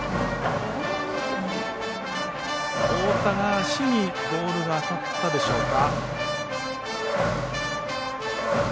太田の足にボールが当たったでしょうか。